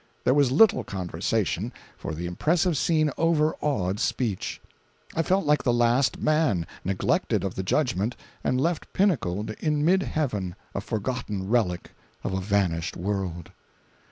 There was little conversation, for the impressive scene overawed speech. I felt like the Last Man, neglected of the judgment, and left pinnacled in mid heaven, a forgotten relic of a vanished world.